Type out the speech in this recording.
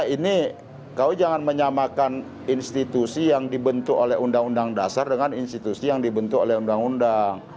ini kau jangan menyamakan institusi yang dibentuk oleh undang undang dasar dengan institusi yang dibentuk oleh undang undang